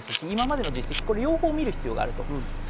今までの実績も見る必要があります。